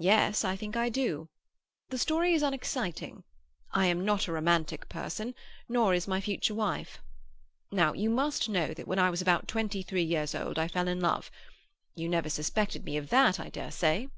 "Yes, I think I do. The story is unexciting. I am not a romantic person, nor is my future wife. Now, you must know that when I was about twenty three years old I fell in love. You never suspected me of that, I dare say?"